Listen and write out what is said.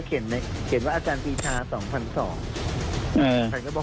เขียนเนี้ยเขียนว่าอาจารย์สี่ชาสองพันสองอืมฉันก็บอก